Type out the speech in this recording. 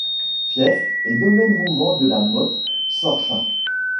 Fief et domaine mouvant de la Motte-Sorchin.